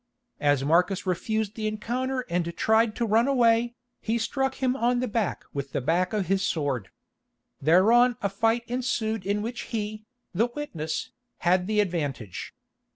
As Marcus refused the encounter and tried to run away, he struck him on the back with the back of his sword. Thereon a fight ensued in which he, the witness, had the advantage.